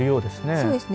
そうですね。